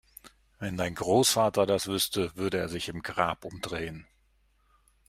Wenn dein Großvater das wüsste, würde er sich im Grab umdrehen!